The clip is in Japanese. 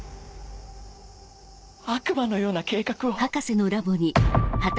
悪魔のような計画を。